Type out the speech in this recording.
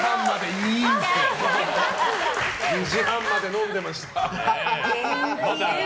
２時半まで飲んでたのに。